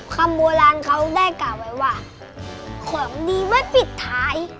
คำโบราณเขาได้กล่าวไว้ว่าของดีมาปิดท้าย